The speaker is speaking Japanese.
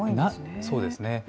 そうですね。